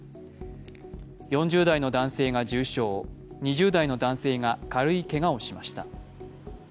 ４０代の男性が重傷、２０代の男性が軽いけがをしました。